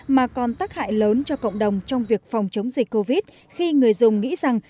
mà còn tác hại lớn cho cộng đồng trong việc phòng chống dịch covid khi người dùng nghĩ rằng